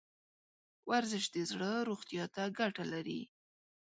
ورزش د زړه روغتیا ته ګټه لري.